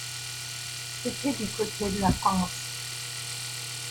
C’était du côté de la panse.